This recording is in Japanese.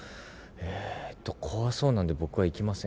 えーと怖そうなんで僕は行きません。